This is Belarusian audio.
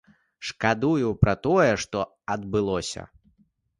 Шкадую пра тое, што адбылося.